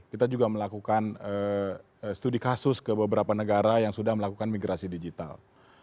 kita juga melakukan studi kasus ke beberapa negara yang sudah melakukan migrasi digital